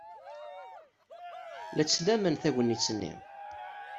La ttnamen tagnit-nni.